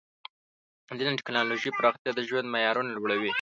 د علم او ټکنالوژۍ پراختیا د ژوند معیارونه لوړوي.